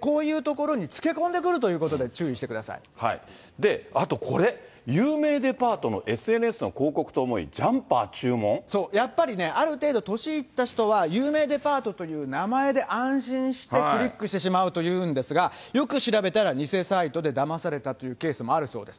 こういうところにつけ込んでくるで、あとこれ、有名デパートのＳＮＳの広告と思い、やっぱりね、ある程度、年いった人は、有名デパートという名前で安心して、クリックしてしまうというんですが、よく調べたら偽サイトで、だまされたというケースもあるそうです。